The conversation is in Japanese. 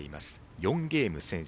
４ゲーム先取